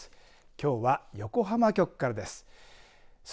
きょうは、横浜局からです。